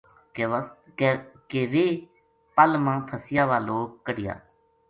کے ویہ پل ما پھسیا وا لوک کَڈہیا